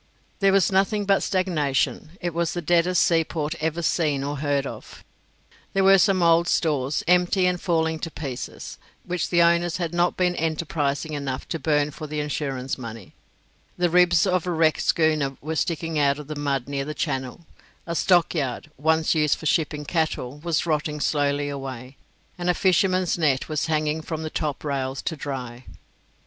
There was nothing but stagnation; it was the deadest seaport ever seen or heard of. There were some old stores, empty and falling to pieces, which the owners had not been enterprising enough to burn for the insurance money; the ribs of a wrecked schooner were sticking out of the mud near the channel; a stockyard, once used for shipping cattle, was rotting slowly away, and a fisherman's net was hanging from the top rails to dry.